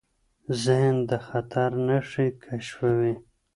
ذهن د خطر نښې کشفوي.